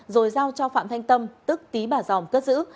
rồi giao cho phạm thanh tâm tức tí bà dòng cất giữ